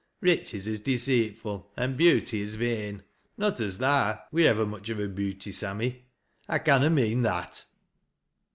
Riches is deceitful an' beauty ii vain — not as tha wur i vver much o' a beauty, Sammy ; 1 canna mean that."